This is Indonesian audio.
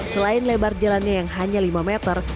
selain lebar jalannya yang hanya lima meter